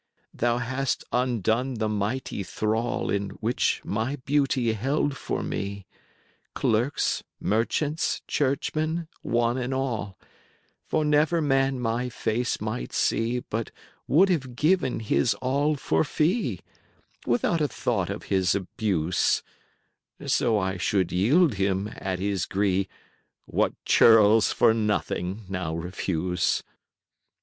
II."Thou hast undone the mighty thrall In which my beauty held for me 10 Clerks, merchants, churchmen, one and all: For never man my face might see, But would have given his all for fee,— Without a thought of his abuse,— So I should yield him at his gree 15 What churls for nothing now refuse.